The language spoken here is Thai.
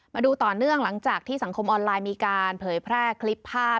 มาดูต่อเนื่องหลังจากที่สังคมออนไลน์มีการเผยแพร่คลิปภาพ